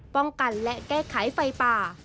ป้องกันและแก้ไขไฟป่า